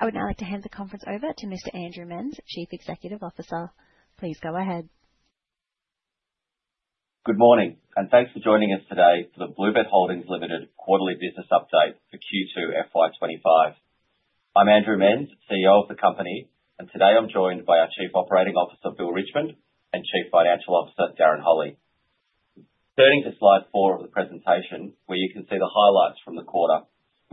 I would now like to hand the conference over to Mr. Andrew Menz, Chief Executive Officer. Please go ahead. Good morning, and thanks for joining us today for the BlueBet Holdings Limited quarterly business update for Q2 FY 2025. I'm Andrew Menz, CEO of the company, and today I'm joined by our Chief Operating Officer, Bill Richmond, and Chief Financial Officer, Darren Holley. Turning to slide four of the presentation, where you can see the highlights from the quarter,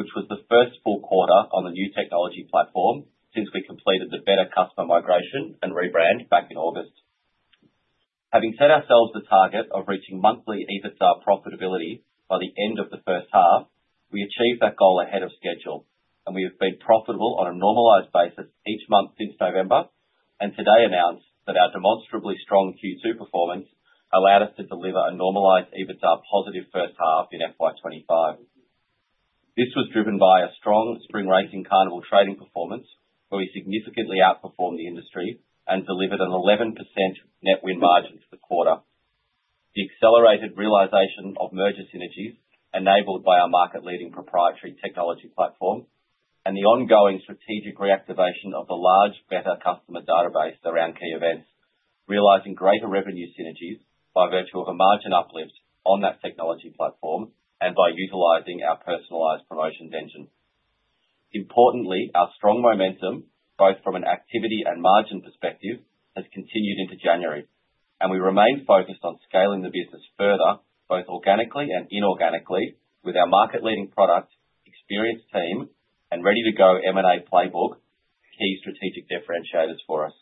which was the first full quarter on the new technology platform since we completed the betr customer migration and rebrand back in August. Having set ourselves the target of reaching monthly EBITDA profitability by the end of the first half, we achieved that goal ahead of schedule, and we have been profitable on a normalized basis each month since November, and today announced that our demonstrably strong Q2 performance allowed us to deliver a normalized EBITDA positive first half in FY 2025. This was driven by a strong Spring Racing Carnival trading performance, where we significantly outperformed the industry and delivered an 11% net win margin for the quarter. The accelerated realization of merger synergies enabled by our market-leading proprietary technology platform and the ongoing strategic reactivation of the large betr customer database around key events, realizing greater revenue synergies by virtue of a margin uplift on that technology platform and by utilizing our personalized promotions engine. Importantly, our strong momentum, both from an activity and margin perspective, has continued into January, and we remain focused on scaling the business further, both organically and inorganically, with our market-leading product, experienced team, and ready-to-go M&A playbook, key strategic differentiators for us.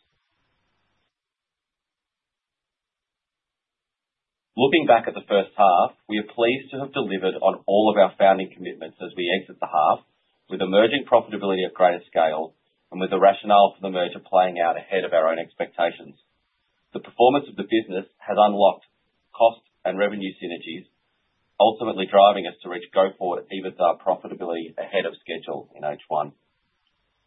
Looking back at the first half, we are pleased to have delivered on all of our founding commitments as we exit the half, with emerging profitability at greater scale and with the rationale for the merger playing out ahead of our own expectations. The performance of the business has unlocked cost and revenue synergies, ultimately driving us to reach go-forward EBITDA profitability ahead of schedule in H1.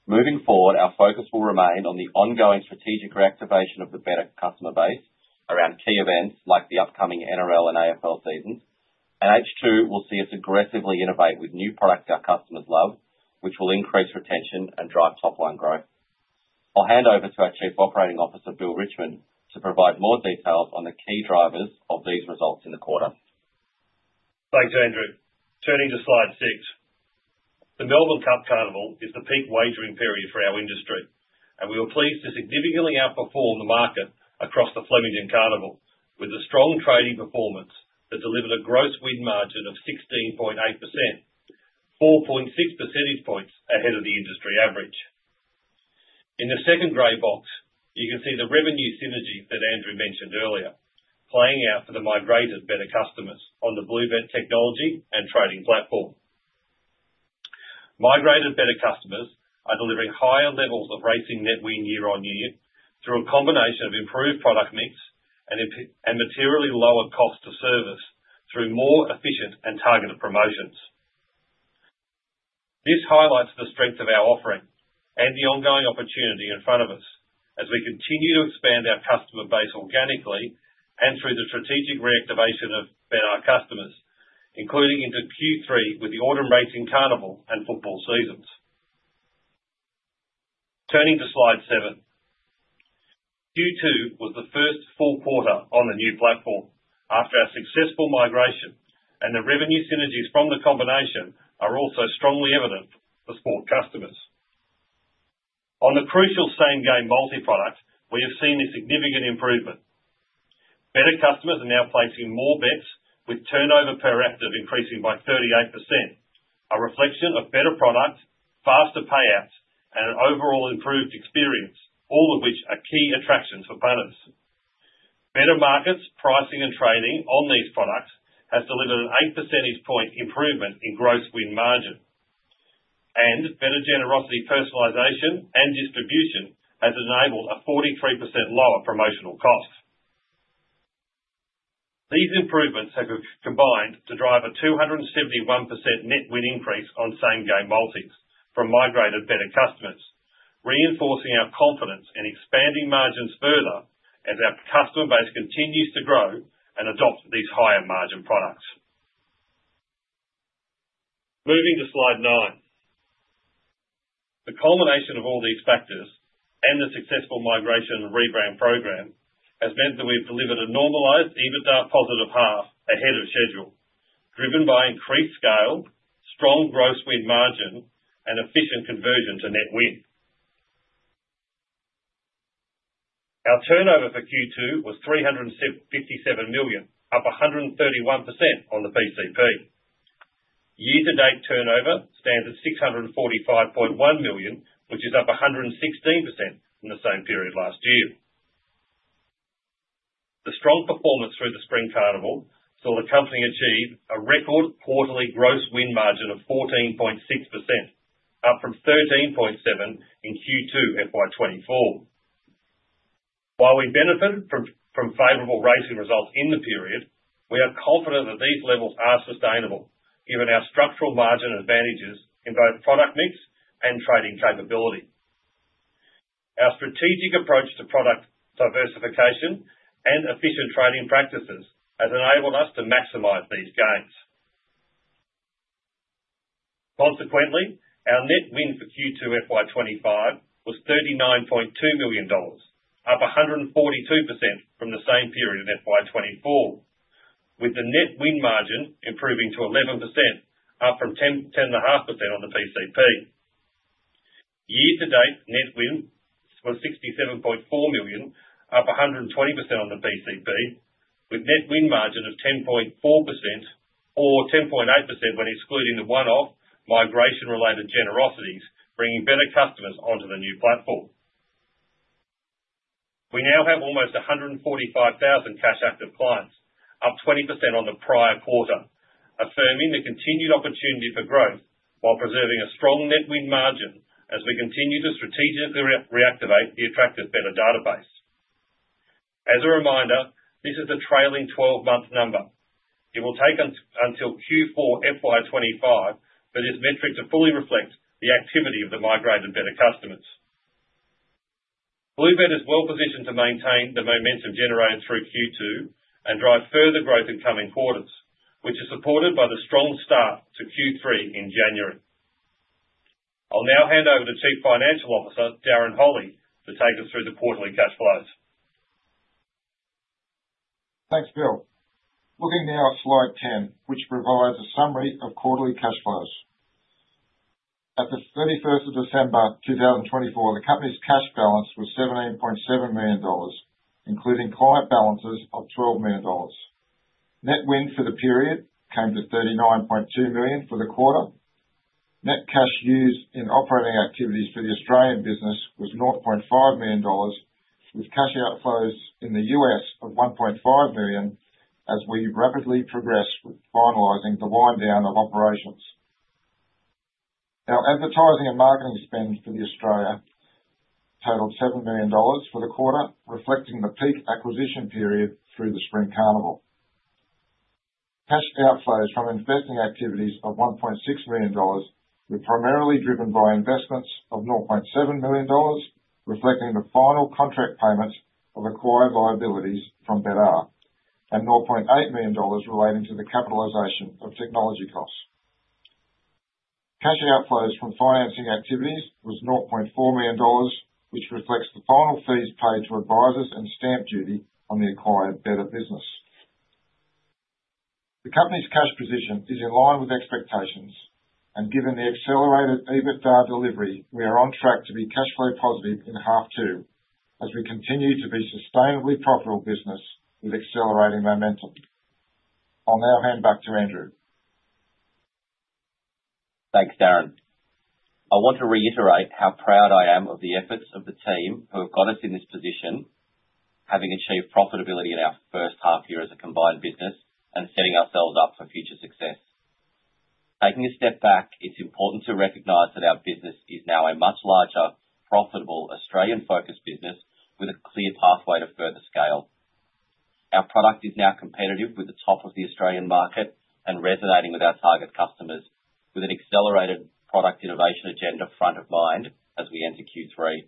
Moving forward, our focus will remain on the ongoing strategic reactivation of the betr customer base around key events like the upcoming NRL and AFL seasons, and H2 will see us aggressively innovate with new products our customers love, which will increase retention and drive top-line growth. I'll hand over to our Chief Operating Officer, Bill Richmond, to provide more details on the key drivers of these results in the quarter. Thanks, Andrew. Turning to slide six, the Melbourne Cup Carnival is the peak wagering period for our industry, and we were pleased to significantly outperform the market across the Flemington Carnival with a strong trading performance that delivered a gross win margin of 16.8%, 4.6 percentage points ahead of the industry average. In the second gray box, you can see the revenue synergy that Andrew mentioned earlier, playing out for the migrated betr customers on the BlueBet Technology and Trading platform. Migrated betr customers are delivering higher levels of racing net win year-on-year through a combination of improved product mix and materially lower cost to service through more efficient and targeted promotions. This highlights the strength of our offering and the ongoing opportunity in front of us as we continue to expand our customer base organically and through the strategic reactivation of betr customers, including into Q3 with the Autumn Racing Carnival and football seasons. Turning to slide seven, Q2 was the first full quarter on the new platform after our successful migration, and the revenue synergies from the combination are also strongly evident for betr customers. On the crucial Same Game Multi product, we have seen a significant improvement. Betr customers are now placing more bets, with turnover per active increasing by 38%, a reflection of better product, faster payouts, and an overall improved experience, all of which are key attractions for bettors. Betr markets, pricing, and trading on these products has delivered an 8 percentage point improvement in gross win margin, and better generosity personalization and distribution has enabled a 43% lower promotional cost. These improvements have combined to drive a 271% net win increase on Same Game Multis from migrated betr customers, reinforcing our confidence and expanding margins further as our customer base continues to grow and adopt these higher margin products. Moving to slide nine, the culmination of all these factors and the successful migration and rebrand program has meant that we've delivered a normalized EBITDA positive half ahead of schedule, driven by increased scale, strong gross win margin, and efficient conversion to net win. Our turnover for Q2 was 357 million, up 131% on the PCP. Year-to-date turnover stands at 645.1 million, which is up 116% from the same period last year. The strong performance through the spring carnival saw the company achieve a record quarterly gross win margin of 14.6%, up from 13.7% in Q2 FY 2024. While we benefited from favorable racing results in the period, we are confident that these levels are sustainable, given our structural margin advantages in both product mix and trading capability. Our strategic approach to product diversification and efficient trading practices has enabled us to maximize these gains. Consequently, our net win for Q2 FY 2025 was 39.2 million dollars, up 142% from the same period in FY 2024, with the net win margin improving to 11%, up from 10.5% on the PCP. Year-to-date net win was 67.4 million, up 120% on the PCP, with net win margin of 10.4% or 10.8% when excluding the one-off migration-related generosities bringing betr customers onto the new platform. We now have almost 145,000 cash-active clients, up 20% on the prior quarter, affirming the continued opportunity for growth while preserving a strong net win margin as we continue to strategically reactivate the attractive betr database. As a reminder, this is a trailing 12-month number. It will take until Q4 FY 2025 for this metric to fully reflect the activity of the migrated betr customers. BlueBet is well positioned to maintain the momentum generated through Q2 and drive further growth in coming quarters, which is supported by the strong start to Q3 in January. I'll now hand over to Chief Financial Officer, Darren Holley, to take us through the quarterly cash flows. Thanks, Bill. Looking now at slide 10, which provides a summary of quarterly cash flows. At the 31st of December 2024, the company's cash balance was 17.7 million dollars, including client balances of 12 million dollars. Net win for the period came to 39.2 million for the quarter. Net cash used in operating activities for the Australian business was 0.5 million dollars, with cash outflows in the U.S. of 1.5 million as we rapidly progressed with finalizing the wind-down of operations. Our advertising and marketing spend for Australia totaled 7 million dollars for the quarter, reflecting the peak acquisition period through the spring carnival. Cash outflows from investing activities of 1.6 million dollars were primarily driven by investments of 0.7 million dollars, reflecting the final contract payment of acquired liabilities from betr, and 0.8 million dollars relating to the capitalization of technology costs. Cash outflows from financing activities was AUD 0.4 million, which reflects the final fees paid to advisors and stamp duty on the acquired betr business. The company's cash position is in line with expectations, and given the accelerated EBITDA delivery, we are on track to be cash flow positive in half two as we continue to be a sustainably profitable business with accelerating momentum. I'll now hand back to Andrew. Thanks, Darren, I want to reiterate how proud I am of the efforts of the team who have got us in this position, having achieved profitability in our first half year as a combined business and setting ourselves up for future success. Taking a step back, it's important to recognize that our business is now a much larger, profitable, Australian-focused business with a clear pathway to further scale. Our product is now competitive with the top of the Australian market and resonating with our target customers, with an accelerated product innovation agenda front of mind as we enter Q3.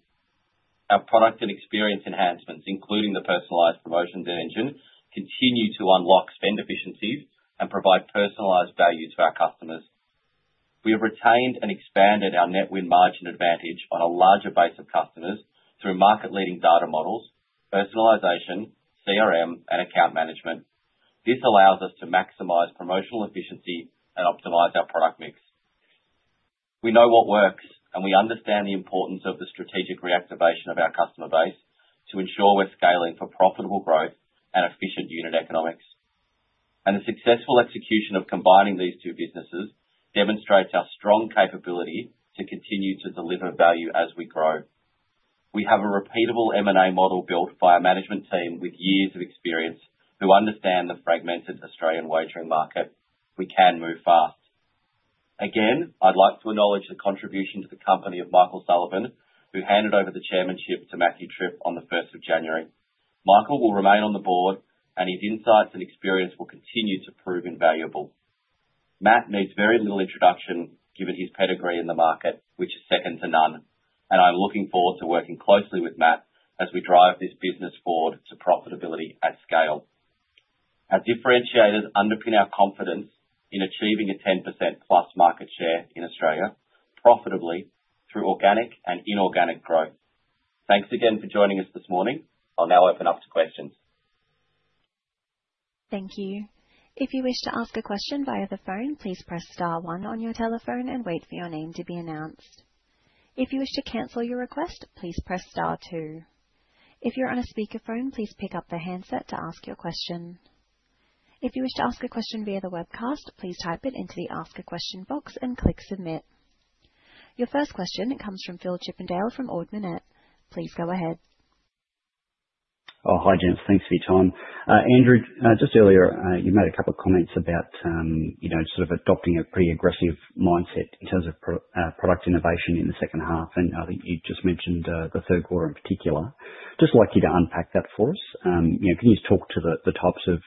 Our product and experience enhancements, including the personalized promotions engine, continue to unlock spend efficiencies and provide personalized value to our customers. We have retained and expanded our net win margin advantage on a larger base of customers through market-leading data models, personalization, CRM, and account management. This allows us to maximize promotional efficiency and optimize our product mix. We know what works, and we understand the importance of the strategic reactivation of our customer base to ensure we're scaling for profitable growth and efficient unit economics. And the successful execution of combining these two businesses demonstrates our strong capability to continue to deliver value as we grow. We have a repeatable M&A model built by our management team with years of experience who understand the fragmented Australian wagering market. We can move fast. Again, I'd like to acknowledge the contribution to the company of Michael Sullivan, who handed over the chairmanship to Matthew Tripp on the 1st of January. Michael will remain on the board, and his insights and experience will continue to prove invaluable. Matt needs very little introduction given his pedigree in the market, which is second to none, and I'm looking forward to working closely with Matt as we drive this business forward to profitability at scale. Our differentiators underpin our confidence in achieving a 10%+ market share in Australia profitably through organic and inorganic growth. Thanks again for joining us this morning. I'll now open up to questions. Thank you. If you wish to ask a question via the phone, please press star one on your telephone and wait for your name to be announced. If you wish to cancel your request, please press star two. If you're on a speakerphone, please pick up the handset to ask your question. If you wish to ask a question via the webcast, please type it into the ask a question box and click submit. Your first question comes from Phil Chippendale from Ord Minnett. Please go ahead. Oh, hi Gents, thanks for your time. Andrew, just earlier you made a couple of comments about sort of adopting a pretty aggressive mindset in terms of product innovation in the second half, and I think you just mentioned the third quarter in particular. I'd just like you to unpack that for us. Can you just talk to the types of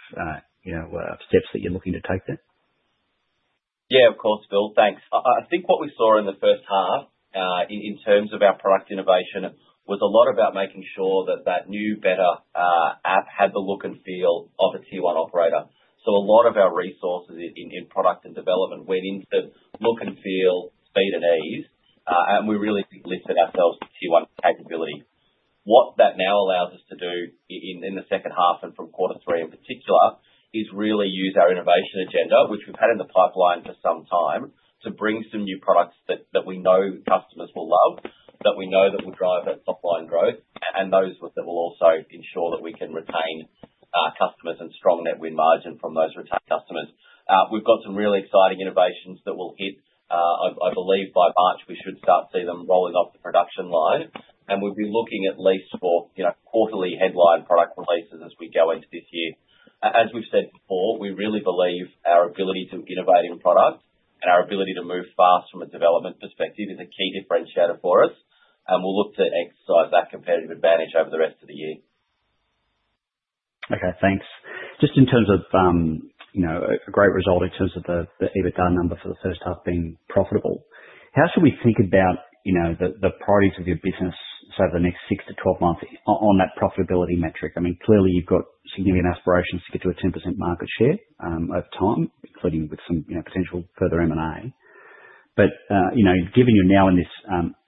steps that you're looking to take there? Yeah, of course, Phil. Thanks. I think what we saw in the first half in terms of our product innovation was a lot about making sure that that new betr app had the look and feel of a T1 operator. So a lot of our resources in product and development went into look and feel, speed, and ease, and we really lifted ourselves to T1 capability. What that now allows us to do in the second half and from quarter three in particular is really use our innovation agenda, which we've had in the pipeline for some time, to bring some new products that we know customers will love, that we know that will drive that top-line growth, and those that will also ensure that we can retain customers and strong net win margin from those retained customers. We've got some really exciting innovations that will hit. I believe by March we should start to see them rolling off the production line, and we'll be looking at least for quarterly headline product releases as we go into this year. As we've said before, we really believe our ability to innovate in product and our ability to move fast from a development perspective is a key differentiator for us, and we'll look to exercise that competitive advantage over the rest of the year. Okay, thanks. Just in terms of a great result in terms of the EBITDA number for the first half being profitable, how should we think about the priorities of your business over the next 6 months-12 months on that profitability metric? I mean, clearly you've got significant aspirations to get to a 10% market share over time, including with some potential further M&A. But given you're now in this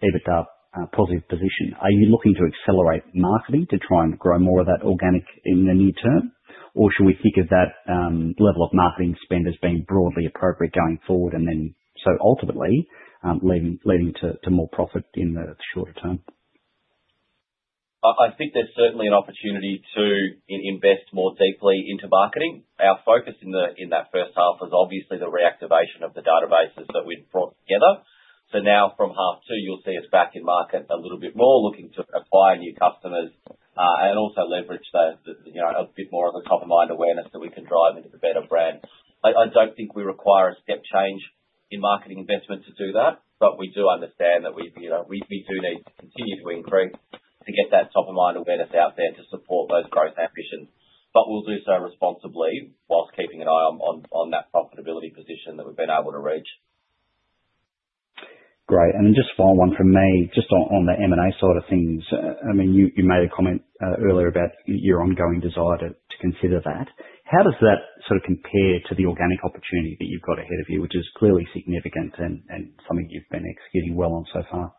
EBITDA positive position, are you looking to accelerate marketing to try and grow more of that organic in the near term, or should we think of that level of marketing spend as being broadly appropriate going forward and then so ultimately leading to more profit in the shorter term? I think there's certainly an opportunity to invest more deeply into marketing. Our focus in that first half was obviously the reactivation of the databases that we brought together. So now from half two, you'll see us back in market a little bit more looking to acquire new customers and also leverage a bit more of a top-of-mind awareness that we can drive into the betr brand. I don't think we require a step change in marketing investment to do that, but we do understand that we do need to continue to increase to get that top-of-mind awareness out there to support those growth ambitions. But we'll do so responsibly while keeping an eye on that profitability position that we've been able to reach. Great. And then just final one from me, just on the M&A sort of things. I mean, you made a comment earlier about your ongoing desire to consider that. How does that sort of compare to the organic opportunity that you've got ahead of you, which is clearly significant and something you've been executing well on so far?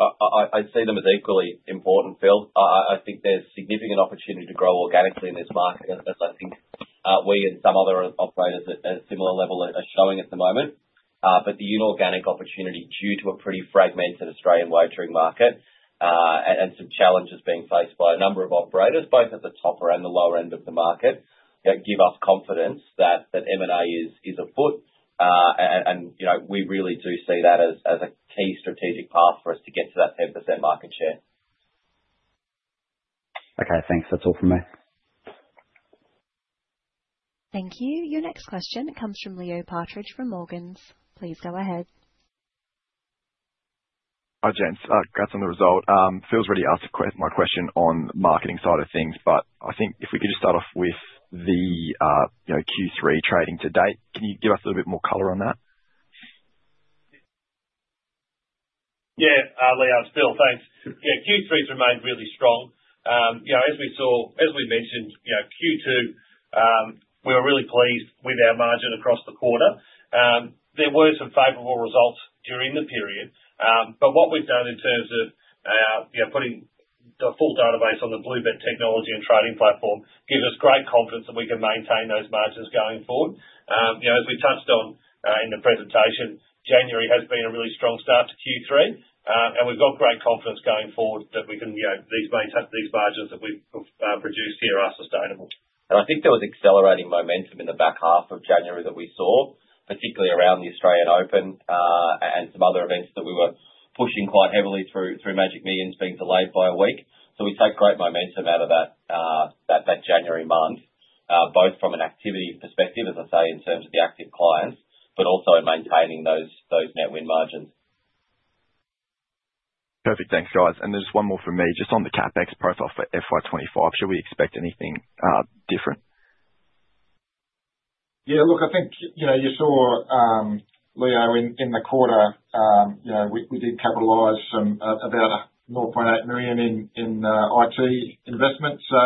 I see them as equally important, Phil. I think there's significant opportunity to grow organically in this market, as I think we and some other operators at a similar level are showing at the moment. But the inorganic opportunity due to a pretty fragmented Australian wagering market and some challenges being faced by a number of operators, both at the top tier and the lower end of the market, give us confidence that M&A is afoot, and we really do see that as a key strategic path for us to get to that 10% market share. Okay, thanks. That's all from me. Thank you. Your next question comes from Leo Partridge from Morgans. Please go ahead. Hi, James. Congrats on the result. Phil's already asked my question on the marketing side of things, but I think if we could just start off with the Q3 trading to date, can you give us a little bit more color on that? Yeah, Leo, it's Phil. Thanks. Yeah, Q3's remained really strong. As we mentioned, Q2, we were really pleased with our margin across the quarter. There were some favorable results during the period, but what we've done in terms of putting the full database on the BlueBet Technology and Trading platform gives us great confidence that we can maintain those margins going forward. As we touched on in the presentation, January has been a really strong start to Q3, and we've got great confidence going forward that these margins that we've produced here are sustainable. And I think there was accelerating momentum in the back half of January that we saw, particularly around the Australian Open and some other events that we were pushing quite heavily through Magic Millions being delayed by a week. So we took great momentum out of that January month, both from an activity perspective, as I say, in terms of the active clients, but also maintaining those net win margins. Perfect. Thanks, guys. And there's one more from me. Just on the CapEx profile for FY 2025, should we expect anything different? Yeah, look, I think you saw, Leo, in the quarter, we did capitalize about 0.8 million in IT investment. So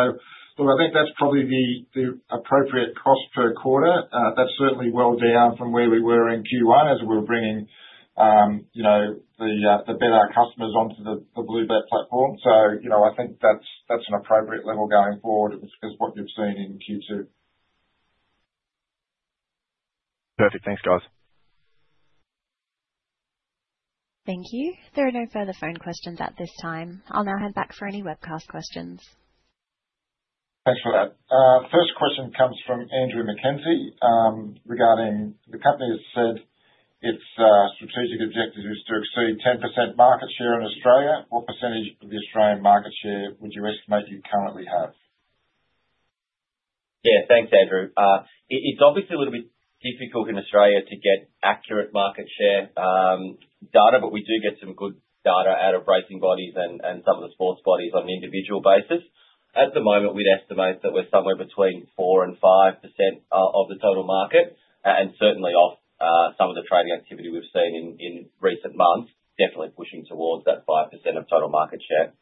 I think that's probably the appropriate cost per quarter. That's certainly well down from where we were in Q1 as we were bringing the betr customers onto the BlueBet Platform. So I think that's an appropriate level going forward as what you've seen in Q2. Perfect. Thanks, guys. Thank you. There are no further phone questions at this time. I'll now head back for any webcast questions. Thanks for that. First question comes from Andrew Mackenzie regarding the company has said its strategic objective is to exceed 10% market share in Australia. What percentage of the Australian market share would you estimate you currently have? Yeah, thanks, Andrew. It's obviously a little bit difficult in Australia to get accurate market share data, but we do get some good data out of racing bodies and some of the sports bodies on an individual basis. At the moment, we'd estimate that we're somewhere between 4% and 5% of the total market, and certainly off some of the trading activity we've seen in recent months, definitely pushing towards that 5% of total market share.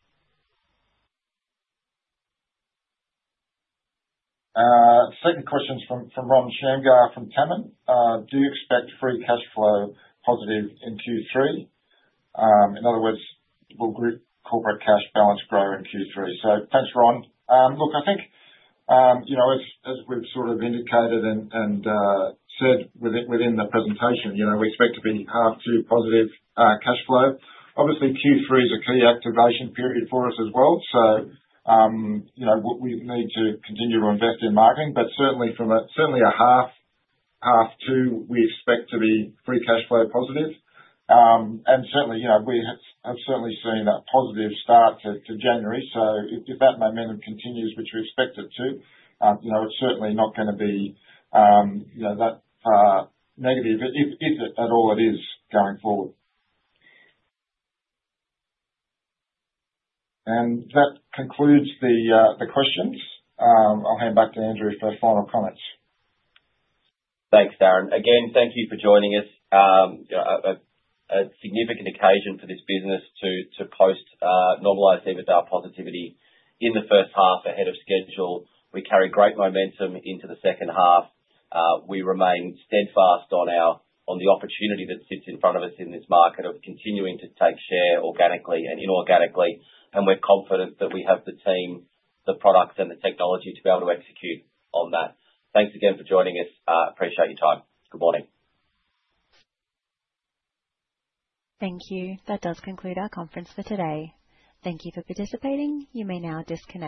Second question's from Ron Shamgar from TAMIM. Do you expect free cash flow positive in Q3? In other words, will corporate cash balance grow in Q3? So thanks, Ron. Look, I think as we've sort of indicated and said within the presentation, we expect to be H1 to positive cash flow. Obviously, Q3's a key activation period for us as well, so we need to continue to invest in marketing. But certainly in H1 we expect to be free cash flow positive. And certainly, we have certainly seen a positive start to January. So if that momentum continues, which we expect it to, it's certainly not going to be that negative, if at all it is, going forward. And that concludes the questions. I'll hand back to Andrew for final comments. Thanks, Darren. Again, thank you for joining us. A significant occasion for this business to post normalized EBITDA positivity in the first half ahead of schedule. We carry great momentum into the second half. We remain steadfast on the opportunity that sits in front of us in this market of continuing to take share organically and inorganically, and we're confident that we have the team, the products, and the technology to be able to execute on that. Thanks again for joining us. Appreciate your time. Good morning. Thank you. That does conclude our conference for today. Thank you for participating. You may now disconnect.